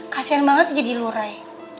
kasian banget tuh jadi lo ray